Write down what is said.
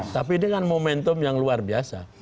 tapi ini kan momentum yang luar biasa